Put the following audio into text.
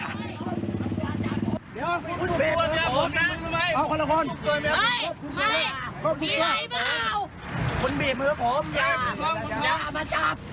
ใกล้ตรงไหนอย่ามาจับ